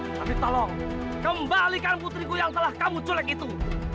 tapi tolong kembalikan putriku yang telah kamu culeg itu